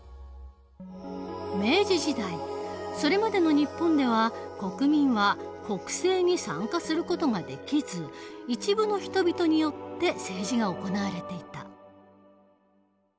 明治時代それまでの日本では国民は国政に参加する事ができず一部の人々によって政治が行われていた。